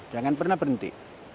jangan pernah berhenti